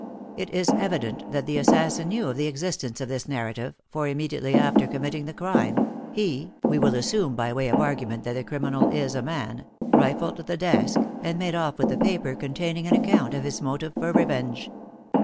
It is evident that the assassin knew of the existence of this narrative, for, immediately after committing the crime, he we will assume by way of argument that the criminal is a man rifled the desk, and made off with the paper containing an account of his motive for revenge.